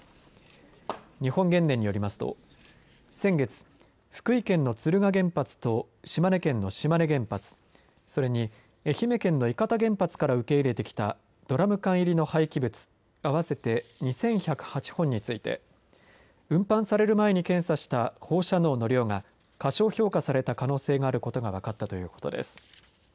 日本原燃によりますと先月、福井県の敦賀原発と島根県の島根原発それに愛媛県の伊方原発から受け入れてきたドラム缶入りの廃棄物、合わせて２１０８本について運搬される前に検査した放射能の量が過小評価された可能性があることが分かったということです。